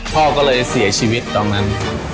พ่อก็เลยเสียชีวิตตอนนั้น